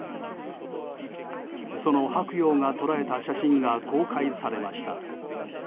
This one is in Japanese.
その「はくよう」が捉えた写真が公開されました。